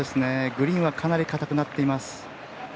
グリーンはかなり硬くなっています。